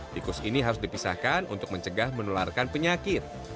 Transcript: tikus ini harus dipisahkan untuk mencegah menularkan penyakit